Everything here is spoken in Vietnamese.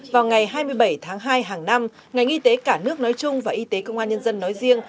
vào ngày hai mươi bảy tháng hai hàng năm ngành y tế cả nước nói chung và y tế công an nhân dân nói riêng